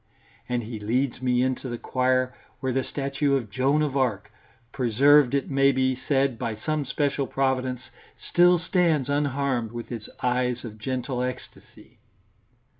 And he leads me into the choir where the statue of Joan of Arc, preserved it may be said by some special Providence, still stands unharmed, with its eyes of gentle ecstasy.